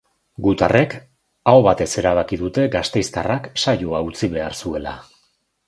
Gutarrek aho batez erabaki dute gasteiztarrak saioa utzi behar zuela.